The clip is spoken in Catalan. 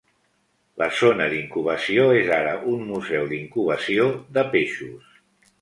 La zona d"incubació és ara un museu d"incubació de peixos.